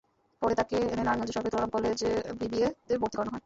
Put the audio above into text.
পরে তাঁকে এনে নারায়ণগঞ্জ সরকারি তোলারাম কলেজে বিবিএতে ভর্তি করানো হয়।